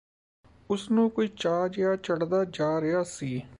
ਉਸ ਨੂੰ ਕੋਈ ਚਾਅ ਜਿਹਾ ਚੜ੍ਹਦਾ ਜਾ ਰਿਹਾ ਸੀ